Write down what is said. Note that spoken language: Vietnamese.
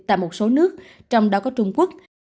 tại một số nước trong đó có trung quốc